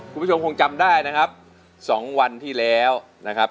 คุณผู้ชมคงจำได้นะครับ๒วันที่แล้วนะครับ